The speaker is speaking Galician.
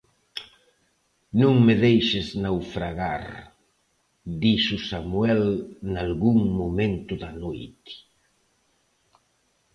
Non me deixes naufragar, dixo Samuel nalgún momento da noite.